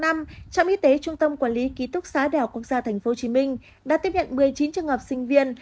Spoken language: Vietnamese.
trạm y tế trung tâm quản lý ký thúc xá đèo quốc gia tp hcm đã tiếp nhận một mươi chín trường hợp sinh viên